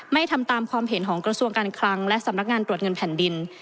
ทำตามความเห็นของกระทรวงการคลังและสำนักงานตรวจเงินแผ่นดิน